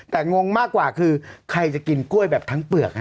แต่งงมากกว่าคือใครจะกินกล้วยแบบทั้งเปลือกฮะ